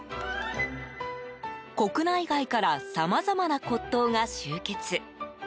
国内外からさまざまな骨董が集結。